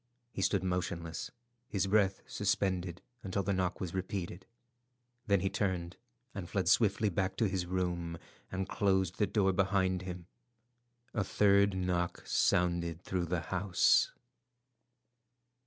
He stood motionless, his breath suspended until the knock was repeated. Then he turned and fled swiftly back to his room, and closed the door behind him. A third knock sounded through the house.